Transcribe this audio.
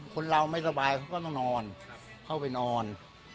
คนเราไม่สบายเขาก็ต้องนอนเข้าไปนอน